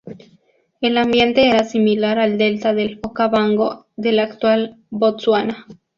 El ambiente era similar al delta del Okavango de la actual Botsuana.